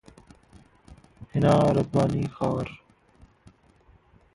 हिना रब्बानी खार